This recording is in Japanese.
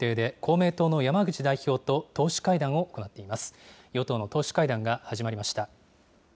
与党の党首会談が始まりました。